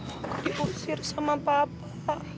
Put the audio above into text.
aku diusir sama papa